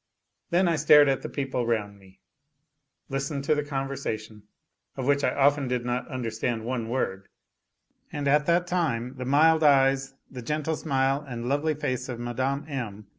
Then I stared at the people round me, listened to the conversation, of which I often did not under stand one word, and at that time the mild eyes, the gentle smile and lovely face of Mine. M.